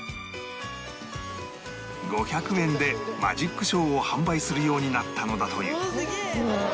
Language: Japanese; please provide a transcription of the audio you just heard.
５００円でマジックショーを販売するようになったのだという